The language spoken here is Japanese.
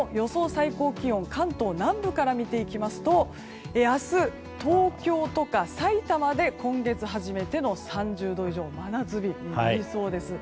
最高気温を関東南部から見ていきますと明日、東京やさいたまで今月初めての３０度以上真夏日になりそうです。